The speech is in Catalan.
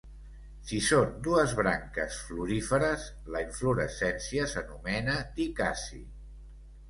Si són dues branques floríferes, la inflorescència s'anomena dicasi.